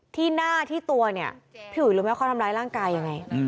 ที่หน้าที่ตัวเนี่ยพี่อุ๋ยรู้ไหมเขาทำร้ายร่างกายยังไง